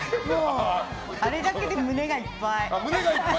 あれだけで胸がいっぱい。